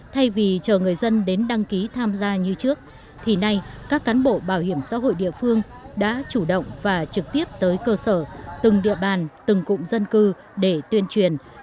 thay vì chờ người dân đến đăng ký tham gia như trước thì nay các cán bộ bảo hiểm xã hội địa phương đã chủ động và trực tiếp tới cơ sở từng địa bàn từng cụm dân cư để tuyên truyền